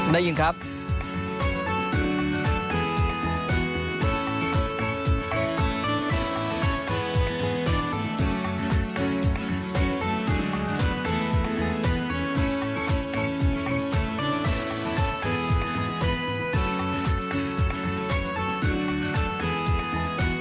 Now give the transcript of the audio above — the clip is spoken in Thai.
ได้ยินครับ